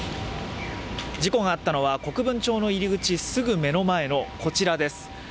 事故があったのは国分町の入り口すぐ目の前のこちらです。